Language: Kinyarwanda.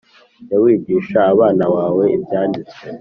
Jya wigisha abana bawe ibyanditswe